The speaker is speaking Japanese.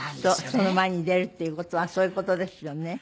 人の前に出るっていう事はそういう事ですよね。